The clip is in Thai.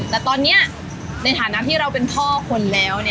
แต่ตอนนี้ในฐานะที่เราเป็นพ่อคนแล้ว